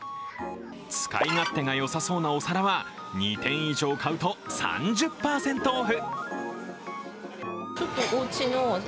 使い勝手がよさそうなお皿は２点以上買うと３０％オフ。